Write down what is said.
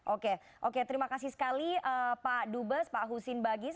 oke oke terima kasih sekali pak dubes pak husin bagis